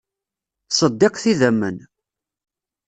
Ttṣeddiqet idammen.